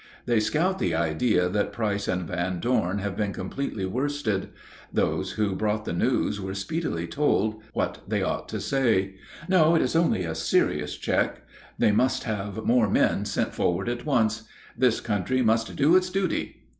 They scout the idea that Price and Van Dorn have been completely worsted. Those who brought the news were speedily told what they ought to say. "No, it is only a serious check; they must have more men sent forward at once. This country must do its duty."